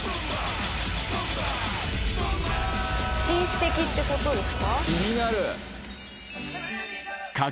紳士的ってことですか？